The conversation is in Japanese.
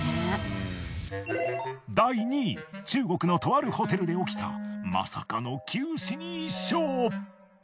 中国のとあるホテルで起きたまさかの九死に一生！